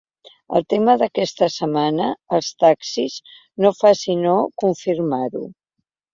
El tema d’aquesta setmana, els taxis, no fa sinó confirmar-ho.